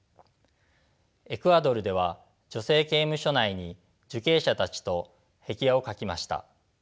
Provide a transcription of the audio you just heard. エクアドルでは女性刑務所内に受刑者たちと壁画を描きました。